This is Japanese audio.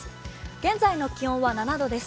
現在の気温は７度です。